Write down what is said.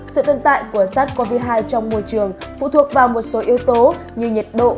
sự tồn tại của sars cov hai trong môi trường phụ thuộc vào một số yếu tố như nhiệt độ